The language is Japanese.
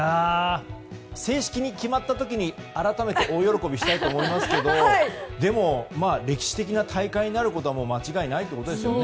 正式に決まった時に改めて大喜びしたいと思いますがでも、歴史的な大会になることは間違いないということですよね。